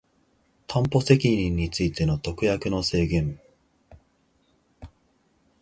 担保責任についての特約の制限